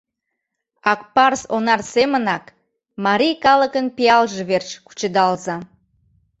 Акпарс онар семынак марий калыкын пиалже верч кучедалза!